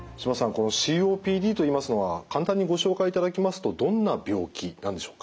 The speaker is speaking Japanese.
このＣＯＰＤといいますのは簡単にご紹介いただきますとどんな病気なんでしょうか？